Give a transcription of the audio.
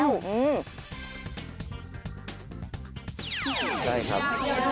ใช่ครับ